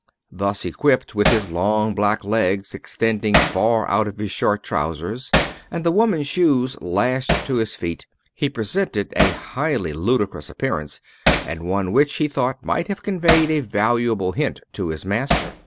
Thus equipped, with his long black legs extending far out of his short trousers, and the woman's shoes lashed to his feet, he presented a highly ludicrous appearance, and one which, he thought, might have conveyed a valuable hint to his master.